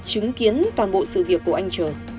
chứng kiến toàn bộ sự việc của anh trờ